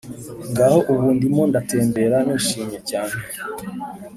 ngaho ubu, ndimo ndatembera nishimye cyane